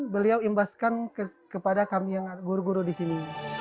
beliau imbaskan kepada kami yang guru guru di sini